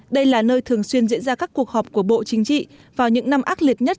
đây là nơi thường xuyên diễn ra các cuộc họp của bộ chính trị vào những năm ác liệt nhất